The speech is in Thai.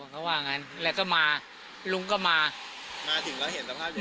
เขาบอกว่างงั้นแล้วก็มาหลงก็มามาถึงเขาเห็นสภาพเลย